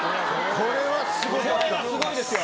これはスゴいですよ。